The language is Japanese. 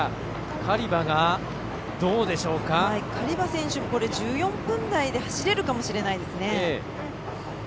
カリバ選手、１４分台で走れるかもしれないですね。